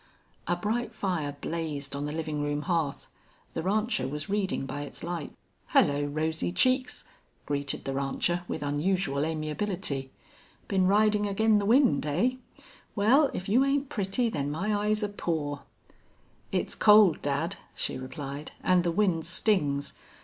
A bright fire blazed on the living room hearth. The rancher was reading by its light. "Hello, rosy cheeks!" greeted the rancher, with unusual amiability. "Been ridin' ag'in' the wind, hey? Wal, if you ain't pretty, then my eyes are pore!" "It's cold, dad," she replied, "and the wind stings.